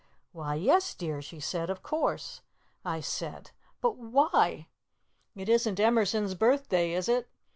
'Why, yes, dear,' she said, 'of course.' I said, 'But why? It isn't Emerson's birthday, is it?